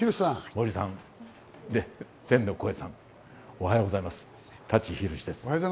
おはようございます。